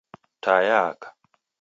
Taa yaaka.